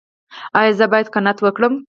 ایا زه باید قناعت وکړم؟